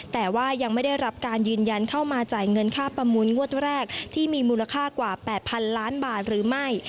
แต่ว่ายังไม่ได้รับการยืนยันเข้ามาจ่ายเงินค่าประมูลงวดแรกที่มีมูลค่ากว่า๘๐๐๐ล้านบาทหรือไม่